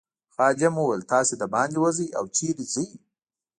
خادم وویل تاسي دباندې وزئ او چیرته ځئ.